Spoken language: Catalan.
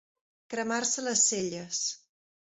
Cremar-se les celles.